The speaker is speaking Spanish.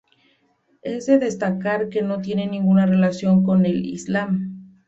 Es de destacar que no tiene ninguna relación con el Islam.